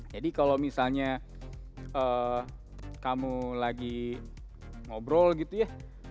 jadi kalau misalnya kamu lagi ngobrol gitu ya